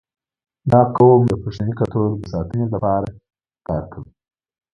• دا قوم د پښتني کلتور د ساتنې لپاره کار کوي.